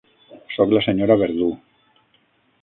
Soc la senyora Verdú.